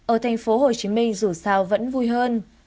ở thành phố hồ chí minh dù sao vẫn vui hơn